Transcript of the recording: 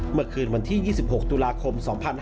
เมื่อคืนวันที่๒๖ตุลาคม๒๕๕๙